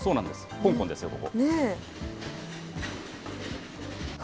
香港ですよ、ここ。